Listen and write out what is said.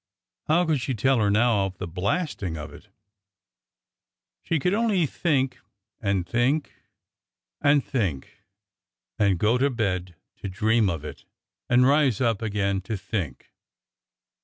How could she tell her now of the blasting of it? She could only think and think and think, and go to bed to dream of it, and rise up again to think.